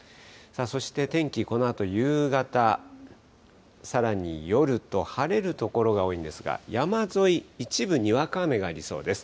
そして天気、このあと夕方、さらに夜と、晴れる所が多いんですが、山沿い、一部にわか雨がありそうです。